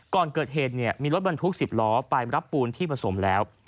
ก่อนเกิดเหตุมีรถบรรทุก๑๐ล้อไปรับปูนที่ผสมแล้ว